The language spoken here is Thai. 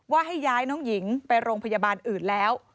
ให้ย้ายน้องหญิงไปโรงพยาบาลอื่นแล้ว